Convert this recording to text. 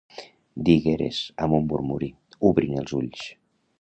Digueres, amb un murmuri, obrint els ulls.